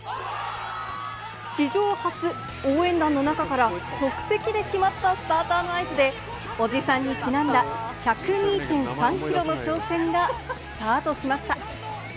史上初、応援団の中から即席で決まったスターターの合図で、おじさんにちなんだ１０２．３キロの挑戦がスタートしました。